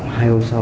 hai hôm sau